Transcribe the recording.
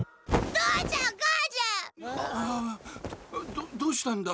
どどうしたんだ？